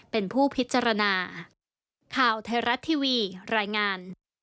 เป็นผู้พิจารณา